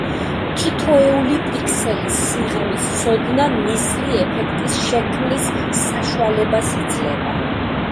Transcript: თითოელი პიქსელის სიღრმის ცოდნა ნისლი ეფექტის შექმნის საშუალებას იძლევა.